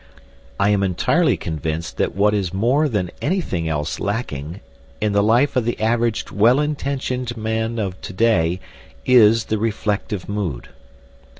I am entirely convinced that what is more than anything else lacking in the life of the average well intentioned man of to day is the reflective mood.